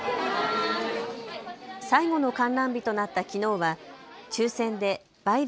最後の観覧日となったきのうは抽せんで倍率